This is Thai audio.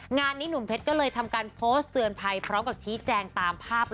งานนี้หนุ่มเพชรก็เลยทำการโพสต์เตือนภัยพร้อมกับชี้แจงตามภาพ